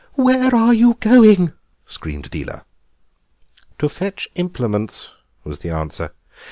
"Where are you going?" screamed Adela. "To fetch implements," was the answer.